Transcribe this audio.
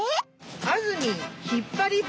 あずみん引っ張り棒！